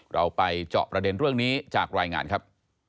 เราไปเจาะประเด็นเรื่องนี้จากรายงานครับ